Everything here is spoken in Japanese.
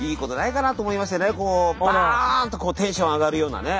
こうバーンとテンション上がるようなね。